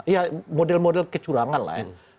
ya model model kecurangan lah ya